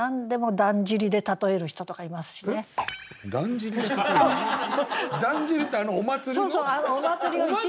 「だんじり」ってあのお祭りの？